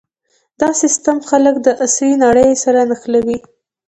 دا سیستم خلک د عصري نړۍ سره نښلوي.